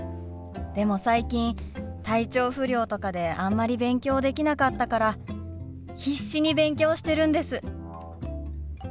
でも最近体調不良とかであんまり勉強できなかったから必死に勉強してるんです。